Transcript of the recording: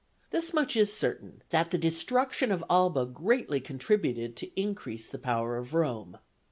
This much is certain, that the destruction of Alba greatly contributed to increase the power of Rome.